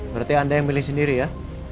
berarti anda yang milih sendiri ya